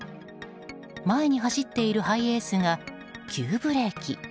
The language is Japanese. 前に走っているハイエースが急ブレーキ。